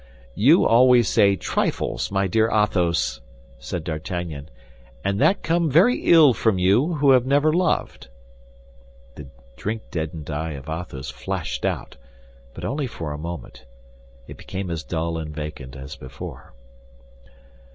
"You always say trifles, my dear Athos!" said D'Artagnan, "and that comes very ill from you, who have never loved." The drink deadened eye of Athos flashed out, but only for a moment; it became as dull and vacant as before.